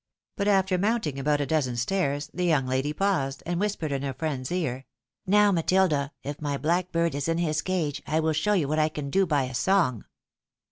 But after mounting about a dozen stairs, the young lady paused, and whispered in her friend's ear, " Now, Matilda, if my blackbird is in his cage, I wiU show you what I can do by a song.